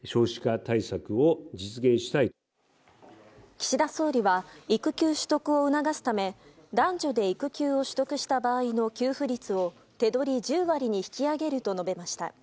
岸田総理は育休取得を促すため男女で育休を取得した場合の給付率を手取り１０割に引き上げると述べました。